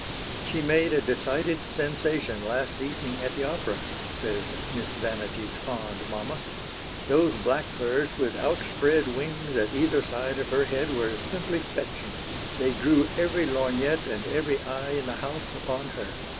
"She made a decided sensation last evening at the opera," says Miss Vanity's fond mamma. "Those blackbirds with outspread wings at either side of her head were simply fetching. They drew every lorgnette and every eye in the house upon her.